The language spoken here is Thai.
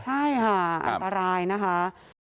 ใช่ค่ะอันตรายนะคะ